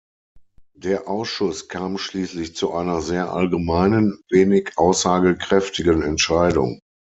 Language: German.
Der Ausschuss kam schließlich zu einer sehr allgemeinen, wenig aussagekräftigen Entscheidung.